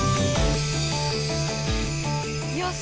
よし！